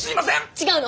違うの！